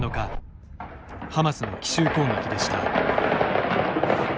ハマスの奇襲攻撃でした。